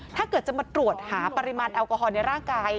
ถ้าเกิดจะมาตรวจหาปริมาณแอลกอฮอลในร่างกาย